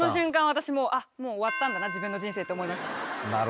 私もう「あっもう終わったんだな自分の人生」って思いましたもん。